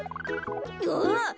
あっ！